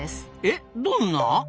えどんな？